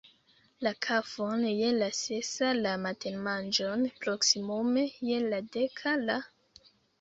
La kafon je la sesa, la matenmanĝon proksimume je la deka, la